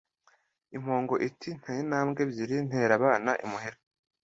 impongo iti nteye intambwe ebyiri, ntera abana imuhira!